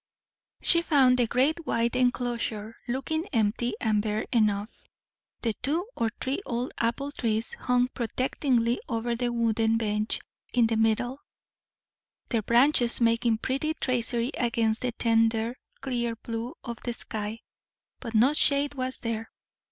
She found the great wide enclosure looking empty and bare enough. The two or three old apple trees hung protectingly over the wooden bench in the middle, their branches making pretty tracery against the tender, clear blue of the sky; but no shade was there.